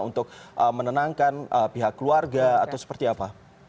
untuk menenangkan pihak keluarga atau seperti apa